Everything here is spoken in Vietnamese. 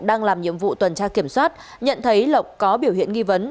đang làm nhiệm vụ tuần tra kiểm soát nhận thấy lộc có biểu hiện nghi vấn